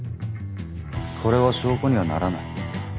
これは証拠にはならない。